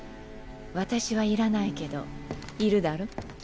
私はいらないけどいるだろ？